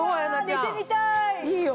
寝てみたい！